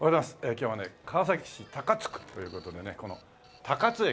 今日はね川崎市高津区という事でねこの高津駅。